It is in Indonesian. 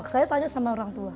saya tanya sama orang tua